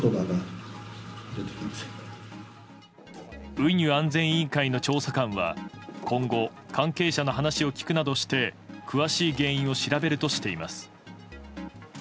運輸安全委員会の調査官は今後関係者の話を聞くなどして詳しい原因を調べるとしています。